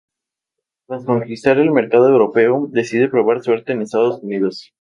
Tras conquistar el mercado europeo, decide probar suerte en Estados Unidos.